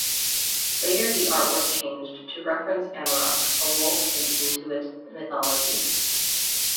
Later the artwork changed to reference Amarok, a wolf in Inuit mythology.